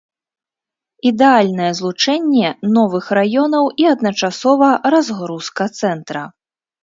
Ідэальнае злучэнне новых раёнаў і адначасова разгрузка цэнтра.